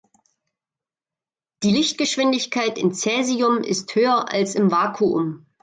Die Lichtgeschwindigkeit in Cäsium ist höher als im Vakuum.